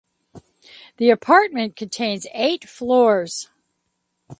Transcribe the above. The apartment contains eight floors.